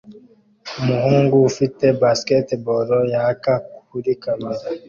Umuhungu ufite basketball yaka kuri kamera